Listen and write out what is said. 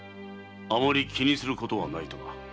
あまり気にすることはないとな。